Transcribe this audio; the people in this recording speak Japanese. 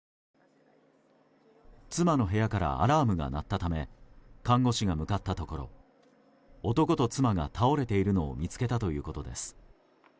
妻の部屋からアラームが鳴ったため看護師が向かったところ男と妻が倒れているのを見つけたということです。